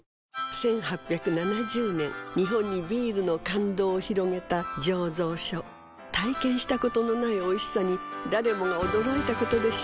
１８７０年日本にビールの感動を広げた醸造所体験したことのないおいしさに誰もが驚いたことでしょう